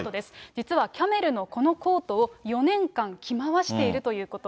実はキャメルのこのコートを４年間着まわしているということ。